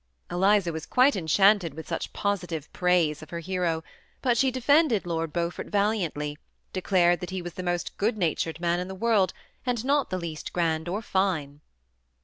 Eliza was quite enchanted with such positive praise of her hero, but she defended Lord Beaufort val iantly; declared that he was the most good natured man in the world, and not the least grand or fine.